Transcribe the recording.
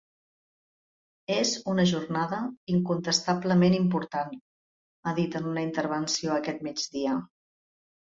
És una jornada incontestablement important, ha dit en una intervenció aquest migdia.